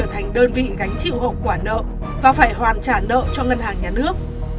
thành đơn vị gánh chịu hậu quả nợ và phải hoàn trả nợ cho ngân hàng nhà nước